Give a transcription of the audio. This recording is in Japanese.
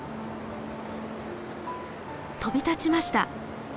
飛び立ちました。